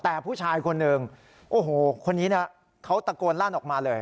แต่ผู้ชายคนหนึ่งโอ้โหคนนี้นะเขาตะโกนลั่นออกมาเลย